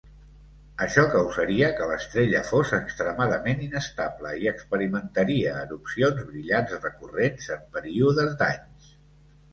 Això causaria que l'estrella fos extremadament inestable i experimentaria erupcions brillants recurrents en períodes d'anys.